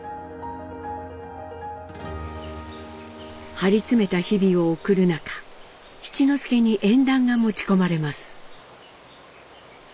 張り詰めた日々を送る中七之助に縁談が持ち込まれます。